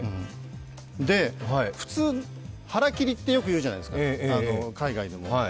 普通、腹切りってよく言うじゃないですか、海外でも。